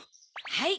はい。